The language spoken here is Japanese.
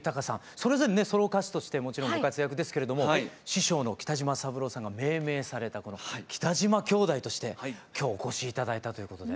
それぞれねソロ歌手としてももちろんご活躍ですけれども師匠の北島三郎さんが命名されたこの北島兄弟として今日お越し頂いたということで。